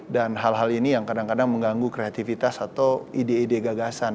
dan hal hal ini yang kadang kadang mengganggu kreativitas atau ide ide gagasan